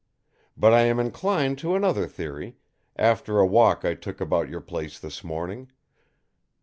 But I am inclined to another theory, after a walk I took about your place this morning.